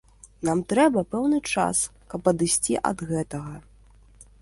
Нам трэба пэўны час, каб адысці ад гэтага.